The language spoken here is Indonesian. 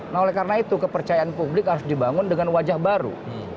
nah oleh karena itu kepercayaan publik harus dibangun dengan wajah baru